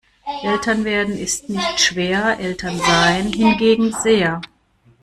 Eltern werden ist nicht schwer, Eltern sein hingegen sehr.